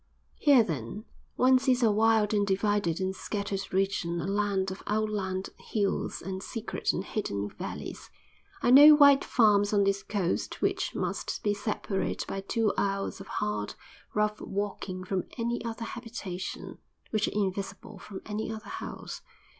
Here, then, one sees a wild and divided and scattered region a land of outland hills and secret and hidden valleys. I know white farms on this coast which must be separate by two hours of hard, rough walking from any other habitation, which are invisible from any other house.